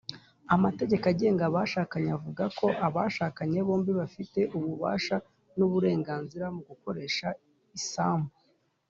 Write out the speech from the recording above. amategeko agenga abashakanye avuga ko abashakanye bombi bafite ububasha n’uburenganzira mu gukoresha isambu